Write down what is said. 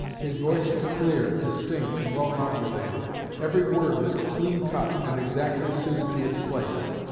His voice was clear, distinct, and well modulated. Every word was clean cut and exactly suited to its place.